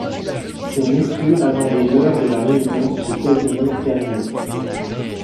Ces messieurs attendaient l'heure de la réunion chez Casimir Perier.